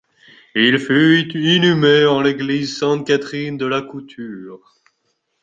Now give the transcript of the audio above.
Il fut inhumé en l'église Sainte-Catherine de la Couture.